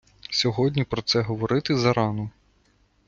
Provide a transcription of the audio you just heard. Сьогодні про це говорити зарано!